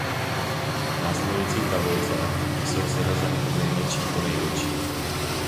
V následující tabulce jsou seřazeny od nejmenší po největší.